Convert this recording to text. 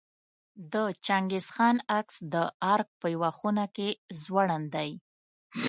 د چنګیز خان عکس د ارګ په یوه خونه کې ځوړند دی.